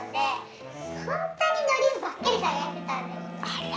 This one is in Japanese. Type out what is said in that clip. あら。